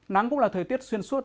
nắng cũng là thời tiết xuyên suốt